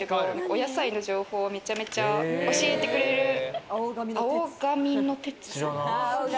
お野菜の情報をめちゃめちゃ教えてくれる青髪のテツさん。